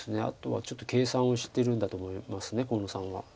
あとはちょっと計算をしてるんだと思います河野さんは。